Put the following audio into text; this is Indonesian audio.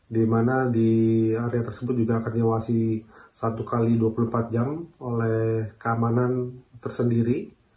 di mana di area tersebut juga akan diawasi satu x dua puluh empat jam oleh keamanan tersendiri